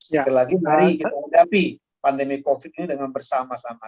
setelah ini kita mengudapi pandemi covid ini dengan bersama sama